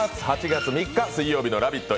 ８月３日水曜日の「ラヴィット！」